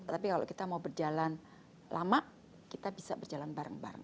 tapi kalau kita mau berjalan lama kita bisa berjalan bareng bareng